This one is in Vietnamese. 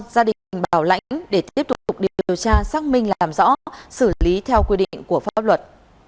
gia đình bảo lãnh để tiếp tục điều tra xác minh làm rõ xử lý theo quy định của pháp luật